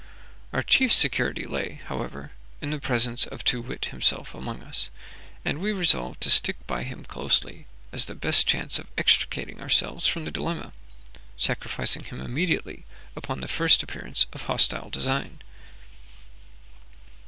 Our chief security lay, however, in the presence of Too wit himself among us, and we resolved to stick by him closely, as the best chance of extricating ourselves from the dilemma, sacrificing him immediately upon the first appearance of hostile design.